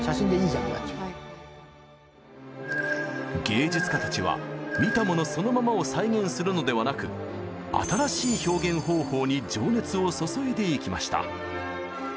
芸術家たちは見たものそのままを再現するのではなく新しい表現方法に情熱を注いでいきました。